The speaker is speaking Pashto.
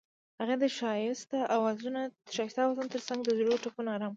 هغې د ښایسته اوازونو ترڅنګ د زړونو ټپونه آرام کړل.